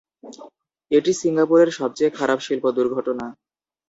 এটি সিঙ্গাপুরের সবচেয়ে খারাপ শিল্প দুর্ঘটনা।